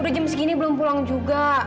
baru jam segini belum pulang juga